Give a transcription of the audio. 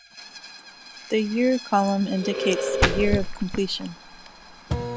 The "Year" column indicates the year of completion.